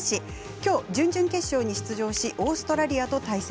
きょう、準々決勝に出場しオーストラリアと対戦。